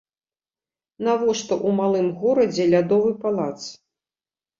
Навошта ў малым горадзе лядовы палац?